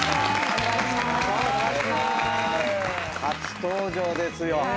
初登場ですよ。